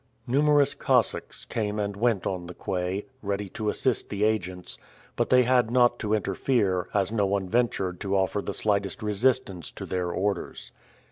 Numerous Cossacks came and went on the quay, ready to assist the agents, but they had not to interfere, as no one ventured to offer the slightest resistance to their orders.